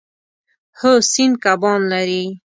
هو، سیند کبان لري